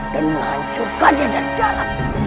dan menghancurkannya dari dalam